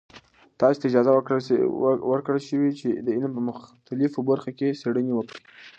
تاسې ته اجازه ورکړل شوې چې د علم په مختلفو برخو کې څیړنې وکړئ.